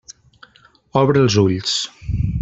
Obre els ulls.